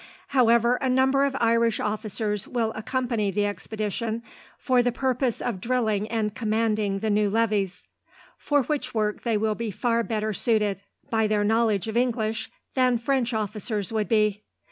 "However, a number of Irish officers will accompany the expedition, for the purpose of drilling and commanding the new levies, for which work they will be far better suited, by their knowledge of English, than French officers would be.